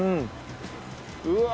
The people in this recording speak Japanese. うわ